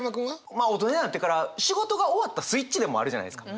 まあ大人になってから仕事が終わったスイッチでもあるじゃないですか。